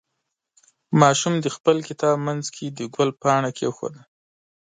ماشوم د خپل کتاب منځ کې د ګل پاڼه کېښوده.